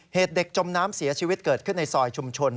เหตุเด็กจมน้ำเสียชีวิตเกิดขึ้นในซอยชุมชน